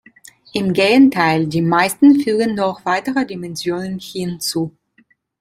Im Gegenteil, die meisten fügen noch weitere Dimensionen hinzu.